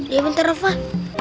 iya bentar rufah